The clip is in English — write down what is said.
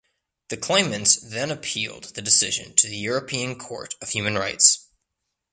The claimants then appealed the decision to the European Court of Human Rights.